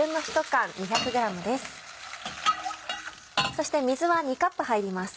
そして水は２カップ入ります。